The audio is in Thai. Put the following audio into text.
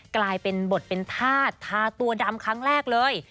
กลายเป็นบทเป็นธาตุทาตัวดำครั้งแรกเลย